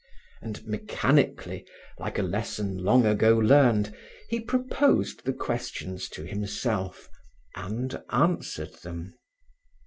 And mechanically, like a lesson long ago learned, he proposed the questions to himself and answered them.